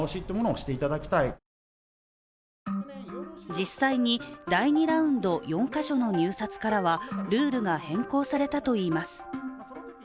実際に第２ラウンド、４か所の入札からはルールが変更されたといいます。